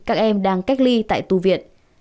các em đang cách ly tại tu viện